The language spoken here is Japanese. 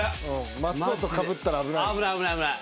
松尾とかぶったら危ない。